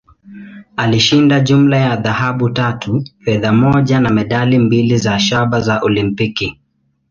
Alishinda jumla ya dhahabu tatu, fedha moja, na medali mbili za shaba za Olimpiki.